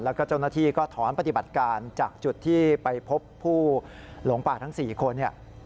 แล้วก็เจ้าหน้าที่ก็ถอนปฏิบัติการจากจุดที่ไปพบผู้หลงป่าทั้ง๔คนเนี่ย